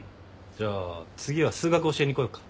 じゃあ次は数学教えに来よっか？